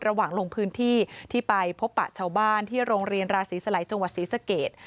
ระหว่างลงพื้นที่ที่ไปพบประชาวบ้านที่โรงเรียนราศีสะลายจงวัดศรีสะเกด